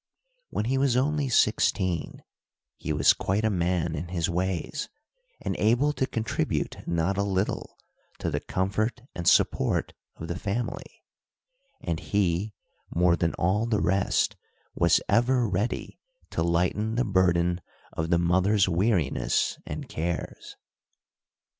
When he was only sixteen, he was quite a man in his ways, and able to contribute not a little to the comfort and support of the family, and he, more than all the rest, was ever ready to lighten the burden of the mother's weariness and cares.